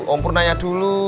om pur nanya dulu